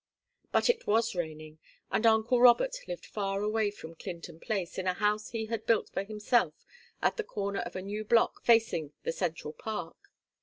But it was raining, and uncle Robert lived far away from Clinton Place in a house he had built for himself at the corner of a new block facing the Central Park.